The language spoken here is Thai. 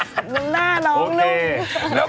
ส่วนน้ำหน้าน้องนุ่ม